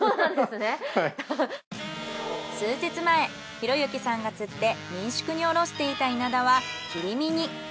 数日前博之さんが釣って民宿に卸していたイナダは切り身に。